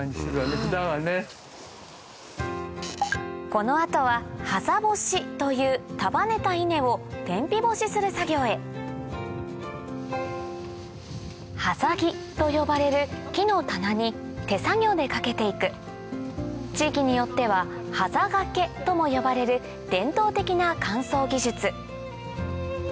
この後は「はざ干し」という束ねた稲を天日干しする作業へはざ木と呼ばれる木の棚に手作業でかけていく地域によっては「はざがけ」とも呼ばれる伝統的な乾燥技術